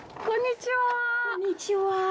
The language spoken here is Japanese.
こんにちは。